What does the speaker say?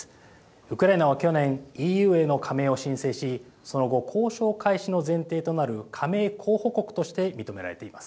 ウクライナは去年ＥＵへの加盟を申請しその後、交渉開始の前提となる加盟候補国として認められています。